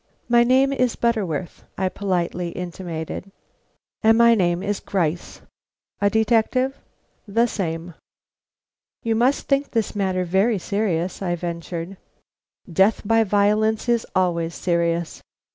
"My name is Butterworth," I politely intimated. "And my name is Gryce." "A detective?" "The same." "You must think this matter very serious," I ventured. "Death by violence is always serious."